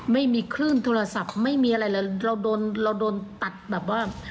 ไม่มีคลื่นโทรศัพท์ไม่มีอะไรเลยเราโดนเราโดนตัดแบบว่า